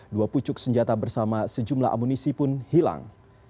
dua pucuk senjata bersama sejumlah amunisi pun hilang